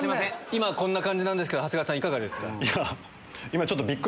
今こんな感じなんですけど長谷川さんいかがですか？